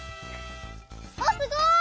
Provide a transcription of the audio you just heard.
あっすごい！